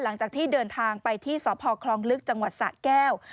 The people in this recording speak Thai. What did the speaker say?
หลังจากที่เดินทางไปที่สพคลองลึกจังหวัดสะแก้ว